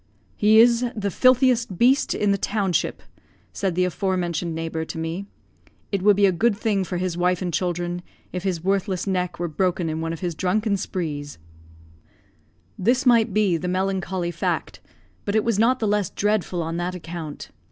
"He is the filthiest beast in the township," said the afore mentioned neighbour to me; "it would be a good thing for his wife and children if his worthless neck were broken in one of his drunken sprees." This might be the melancholy fact, but it was not the less dreadful on that account.